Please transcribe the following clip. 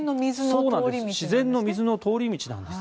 自然の水の通り道なんです。